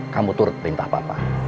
kamu turut perintah papa